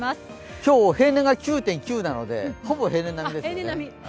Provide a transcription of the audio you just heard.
今日、平年が９．９なのでほぼ平年並みですね。